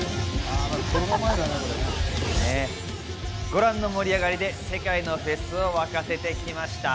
ご覧の盛り上がりで世界のフェスを沸かせてきました。